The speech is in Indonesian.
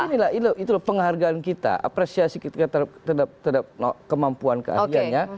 inilah itu penghargaan kita apresiasi kita terhadap kemampuan keahliannya